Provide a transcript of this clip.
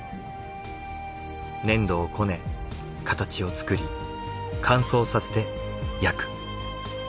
粘土をこね形を作り乾燥させて焼く。